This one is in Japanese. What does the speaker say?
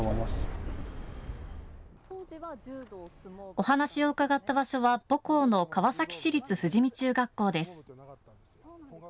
お話を伺った場所は母校の川崎市立富士見中学校です。